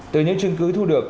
từ những chứng cứ thu được